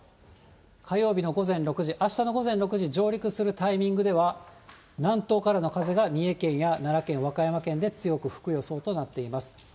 火曜日の午前６時、あしたの午前６時、上陸するタイミングでは、南東からの風が三重県や奈良県、和歌山県で強く吹く予想となっています。